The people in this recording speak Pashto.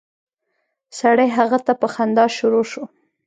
سړی هغې ته په خندا شروع شو.